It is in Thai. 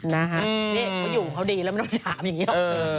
นี่เขาอยู่ของเขาดีแล้วไม่ต้องไปถามอย่างนี้หรอก